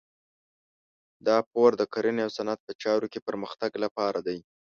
دا پور د کرنې او صنعت په چارو کې پرمختګ لپاره دی.